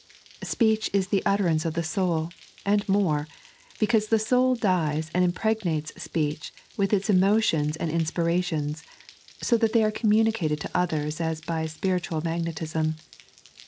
Speech is the utterance of the sou], and more, because the soul dyee and impregnates speech with its emotions and inspirations, so that they are communicated to others as by spiritual magnetism.